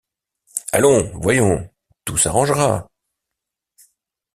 Allons, voyons, tout s'arrangera !